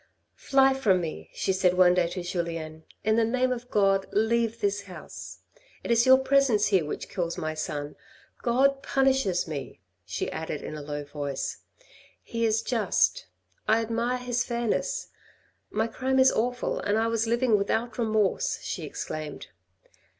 " Fly from me," she said one day to Julien. " In the name of God leave this house. It is your presence here which kills my son. God punishes me," she added in a low voice. " He is just. I admire his fairness. My crime is awful, and I was living without remorse," she exclaimed.